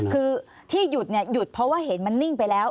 คือที่หยุดเนี่ยหยุดหยุดเพราะว่าเห็นมันนิ่งไปแล้ว